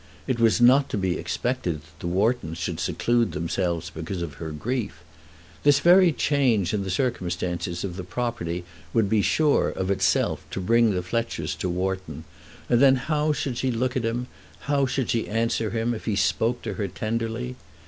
It was not to be expected that the Whartons should seclude themselves because of her grief. This very change in the circumstances of the property would be sure, of itself, to bring the Fletchers to Wharton, and then how should she look at him, how answer him, if he spoke to her tenderly?